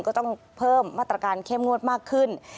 ก็ต้องเพิ่มมาตรการเข้มงวดมากขึ้น